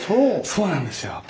そうなんですよ。